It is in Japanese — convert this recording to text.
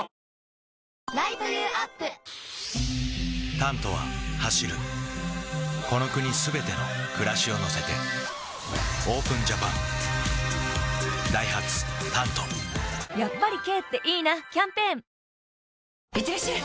「タント」は走るこの国すべての暮らしを乗せてＯＰＥＮＪＡＰＡＮダイハツ「タント」やっぱり軽っていいなキャンペーンいってらっしゃい！